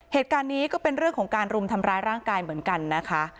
เหตุการณ์นี้ก็เป็นเรื่องของการรุมทำร้ายร่างกายเหมือนกันนะคะ